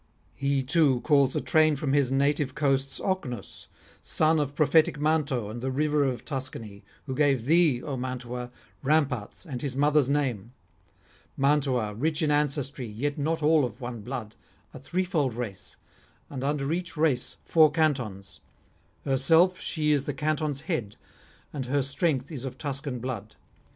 He too calls a train from his native coasts, Ocnus, son of prophetic Manto and the river of Tuscany, who gave thee, O Mantua, ramparts and his mother's name; Mantua, rich in ancestry, yet not all of one blood, a threefold race, and under each race four cantons; herself she is the cantons' head, and her strength is of Tuscan blood.